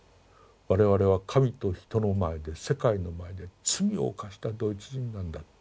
我々は神と人の前で世界の前で罪を犯したドイツ人なんだ。